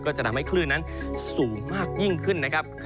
จะทำให้คลื่นนั้นสูงมากยิ่งขึ้นนะครับ